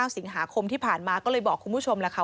สิงหาคมที่ผ่านมาก็เลยบอกคุณผู้ชมล่ะค่ะ